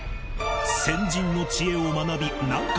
先人の知恵を学び南海